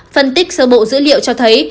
phân tích sơ bộ dữ liệu cho thấy